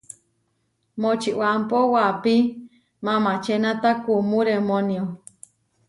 Močibámpo waʼapí mamačénata kumú remónio.